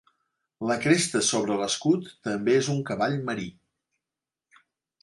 La cresta sobre l'escut també és un cavall marí.